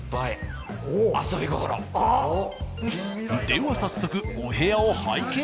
では早速お部屋を拝見。